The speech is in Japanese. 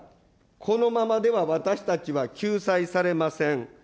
このままでは私たちは救済されません。